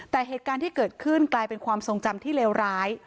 แต่เหตุการณ์ที่เกิดขึ้นกลายเป็นความทรงจำที่เลวร้าย